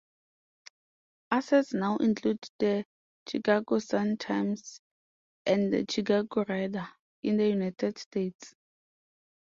Assets now include the "Chicago Sun-Times" and the "Chicago Reader" in the United States.